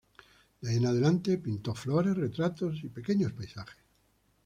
De ahí en adelante pintó flores, retratos y pequeños paisajes.